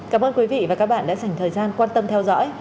cảm ơn quý vị và các bạn đã dành thời gian quan tâm theo dõi